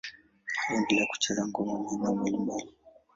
Aliendelea kucheza ngoma maeneo mbalimbali.